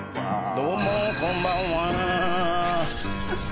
どうもこんばんは。